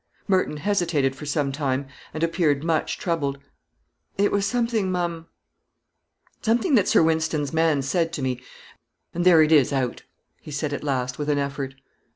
Merton hesitated for some time, and appeared much troubled. "It was something, ma'am something that Sir Wynston's man said to me; and there it is out," he said at last, with an effort.